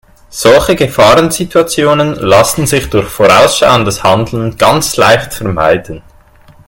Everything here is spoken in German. Solche Gefahrensituationen lassen sich durch vorausschauendes Handeln ganz leicht vermeiden.